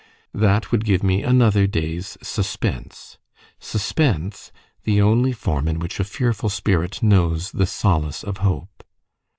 That would give me another day's suspense suspense, the only form in which a fearful spirit knows the solace of hope.